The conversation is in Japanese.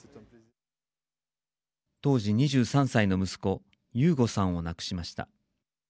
当時２３歳の息子ユーゴさんを亡くしました。